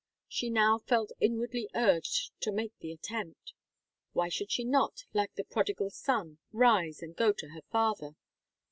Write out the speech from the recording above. She now felt inwardly urged to make the attempt. Why should she not, like the prodigal son, rise and go to her father?